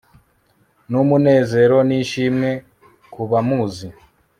n'umunezero n'ishimwe kubamuzi